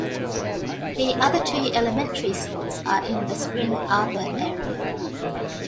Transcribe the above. The other two elementary schools are in the Spring Arbor area.